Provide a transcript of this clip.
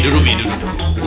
duduk nih duduk